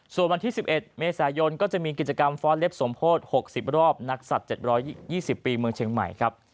ส่วนวันที่๑๑เมษายนก็จะมีกิจกรรมฟ้อนเล็บสมโพธิ๖๐รอบนักศัตริย์๗๒๐ปีเมืองเชียงใหม่ครับ